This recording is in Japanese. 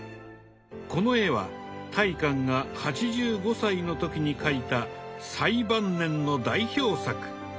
この絵は大観が８５歳の時に描いた最晩年の代表作。